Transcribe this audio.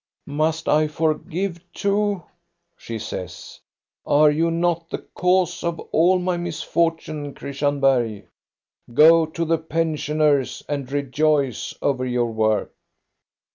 " Must I forgive, too ?" she says. " Are you not the cause of all my misfortune, Christian Bergh? Go to the pensioners and rejoice over your work."